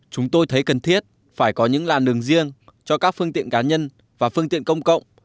chúng tôi thấy cần thiết phải có những làn đường riêng cho các phương tiện cá nhân và phương tiện công cộng